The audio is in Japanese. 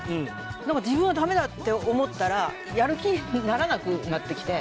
なんか自分はダメだって思ったらやる気にならなくなってきて。